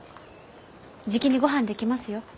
じきにごはん出来ますよ。